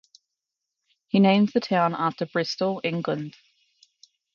He named the town after Bristol, England.